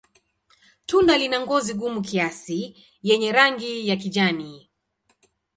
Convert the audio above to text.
Tunda lina ngozi gumu kiasi yenye rangi ya kijani.